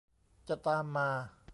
จะตามมา